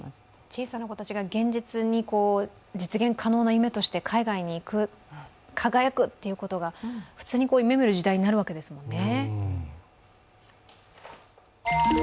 小さな子たちが現実に実現可能な夢として海外に行く、輝くということが普通に夢見る時代になるわけですもんね。